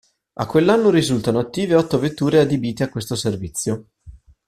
A quell'anno risultano attive otto vetture adibite a questo servizio.